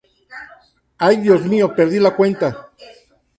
Ay, mi Dios, Perdí la cuenta.